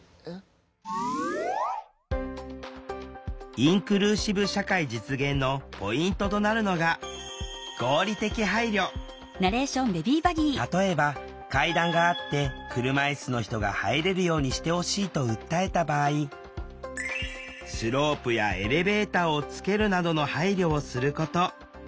インクルーシブ社会実現のポイントとなるのが例えば階段があって車いすの人が「入れるようにしてほしい」と訴えた場合スロープやエレベーターをつけるなどの配慮をすること。